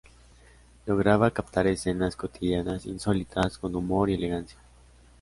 Lograba captar escenas cotidianas insólitas, con humor y elegancia.